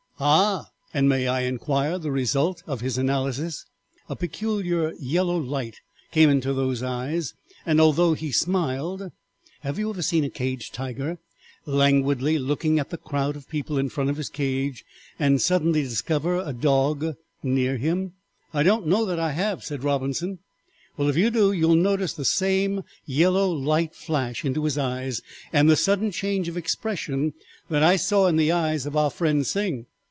"'Ah! And may I inquire the result of his analysis?' "A peculiar yellow light came into those eyes, and although he smiled Have you ever seen a caged tiger languidly looking at the crowd of people in front of his cage suddenly discover a dog near him?" "I don't know that I have," said Robinson. "Well, if you do you will notice the same yellow light flash into his eyes, and the sudden change of expression that I saw in the eyes of our friend Sing.